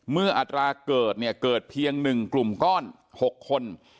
เมื่ออัตราเกิดเกิดเพียง๑กลุ่มก้อน๖คน